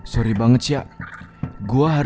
sampai jumpa di video selanjutnya